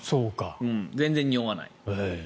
全然におわない。